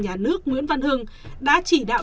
nhà nước nguyễn văn hưng đã chỉ đạo